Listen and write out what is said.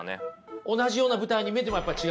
同じような舞台に見えてもやっぱり違うんですか？